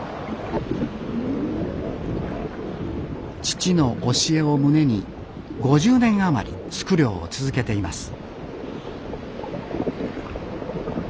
父の教えを胸に５０年余りスク漁を続けています